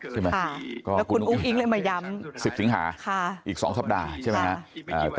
ใช่ไหมแล้วคุณอุ้งอิ๊งเลยมาย้ำ๑๐สิงหาอีก๒สัปดาห์ใช่ไหมครับ